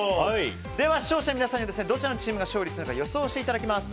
では視聴者の皆さんどちらのチームが勝つか予想していただきます。